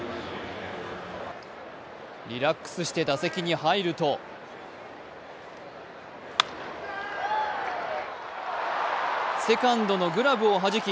リラックスして打席に入るとセカンドのグラブをはじき